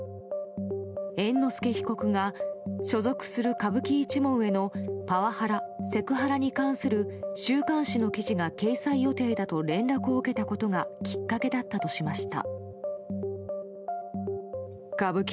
猿之助被告が所属する歌舞伎一門へのパワハラ・セクハラに関する週刊誌の記事が掲載予定だと連絡を受けたことがきっかけだったとしました。